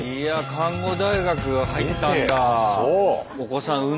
看護大学入ったんだ。